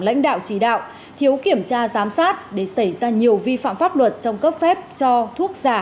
lãnh đạo chỉ đạo thiếu kiểm tra giám sát để xảy ra nhiều vi phạm pháp luật trong cấp phép cho thuốc giả